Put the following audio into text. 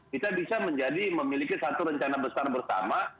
kita bisa menjadi memiliki satu rencana besar bersama